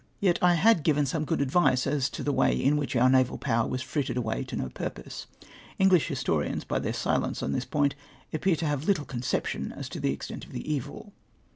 Yet I had given some good advice as to the way in which oiq' naval power was frittered aAvay to no pui'pose. Englisli historians, by their silence on this point, appear to have little con ception as to the extent of the evil.